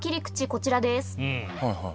こちらです。